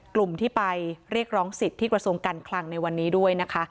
กลุ่มที่ไปเรียกร้องสิทธิ์ที่กระทรวงการคลังในวันนี้ด้วยนะคะ